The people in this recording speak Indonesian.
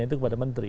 itu kepada menteri